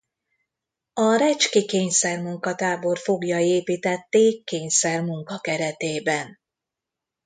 A recski kényszermunkatábor foglyai építették kényszermunka keretében.